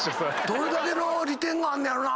どれだけの利点があんねやろな？